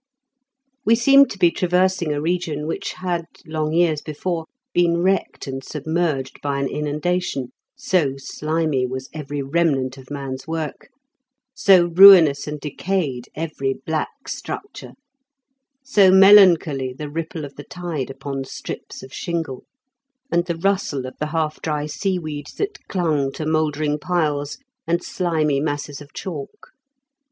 We seemed to be traversing a region which had, long years before, been wrecked and sub merged by an inundation, so slimy was every remnant of man's work, so ruinous and decayed every black structure, so melancholy the ripple of the tide upon strips of shingle, and the rustle of the half dry seaweed that clung to 16 m KENT WITH CHABLE8 DICKENS. mouldering piles and slimy masses of chalk.